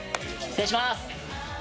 失礼します！